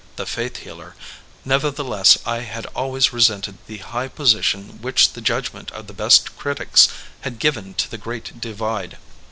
The Faith Healer, nevertheless I had always resented the high position which the judg ment of the best critics had given to The Great Di vide.